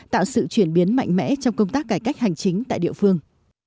tạo sự chuyển biến mạnh mẽ trong công tác cải cách hành chính tại địa phương